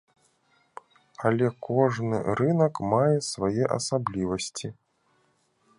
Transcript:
Але кожны рынак мае свае асаблівасці.